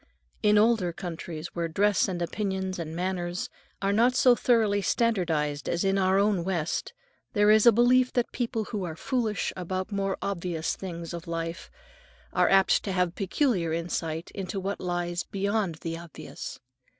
In older countries, where dress and opinions and manners are not so thoroughly standardized as in our own West, there is a belief that people who are foolish about the more obvious things of life are apt to have peculiar insight into what lies beyond the obvious.